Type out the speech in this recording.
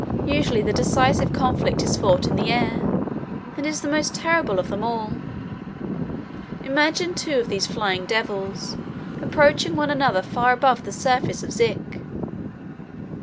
Usually the decisive conflict is fought in the air, and is the most terrible of them all. Imagine two of these Flying Devils approaching one another far above the surface of Zik.